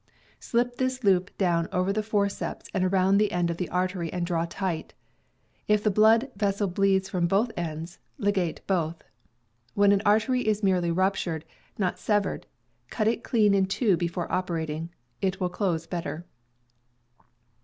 Slip this loop down over the forceps and around the end of the artery, and draw tight. If the vessel bleeds from both ends, ligate both. When an artery is merely ruptured, not severed, cut it clean in two before operating; it will close better.